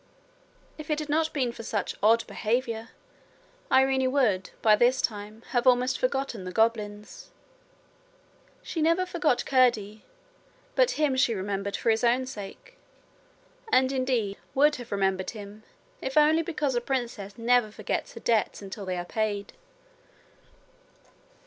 If it had not been for such odd behaviour Irene would by this time have almost forgotten the goblins. She never forgot Curdie, but him she remembered for his own sake, and indeed would have remembered him if only because a princess never forgets her debts until they are paid.